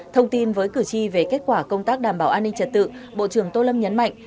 thông tin với cử tri về kết quả công tác đảm bảo an ninh trật tự bộ trưởng tô lâm nhấn mạnh